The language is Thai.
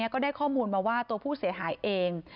ก็ได้ข้อมูลมาว่าตัวผู้เสียหายเอง